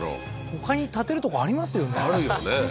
ほかに建てるとこありますよねあるよね